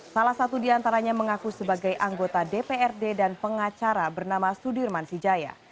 salah satu diantaranya mengaku sebagai anggota dprd dan pengacara bernama sudirman sijaya